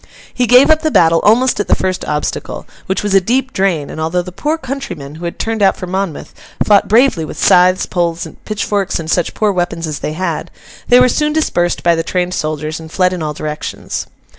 He gave up the battle almost at the first obstacle—which was a deep drain; and although the poor countrymen, who had turned out for Monmouth, fought bravely with scythes, poles, pitchforks, and such poor weapons as they had, they were soon dispersed by the trained soldiers, and fled in all directions.